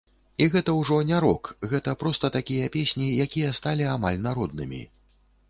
І гэта ўжо не рок, гэта проста такія песні, якія сталі амаль народнымі.